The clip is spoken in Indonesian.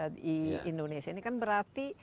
di indonesia ini kan berarti